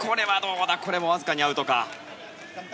これも、わずかにアウト。